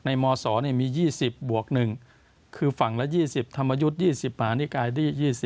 มศมี๒๐บวก๑คือฝั่งละ๒๐ธรรมยุทธ์๒๐มหานิกายที่๒๐